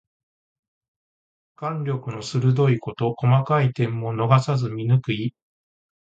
眼力の鋭いこと。細かい点も逃さず見抜く意。